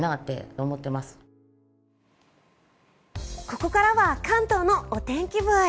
ここからは関東のお天気ブイ！